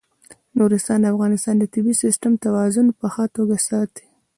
نورستان د افغانستان د طبعي سیسټم توازن په ښه توګه ساتي.